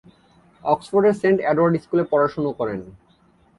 অক্সফোর্ডের saint Edward স্কুলে পড়াশুনো করেন।